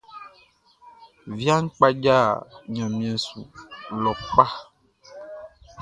Viaʼn kpadja ɲanmiɛn su lɔ kpa.